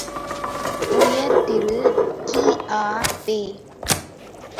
உயர்திரு கி.ஆ.பெ.